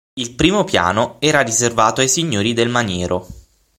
Il primo piano era riservato ai signori del maniero.